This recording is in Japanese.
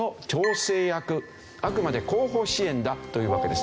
あくまで後方支援だというわけです。